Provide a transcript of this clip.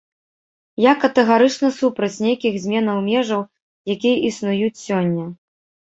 Я катэгарычна супраць нейкіх зменаў межаў, якія існуюць сёння.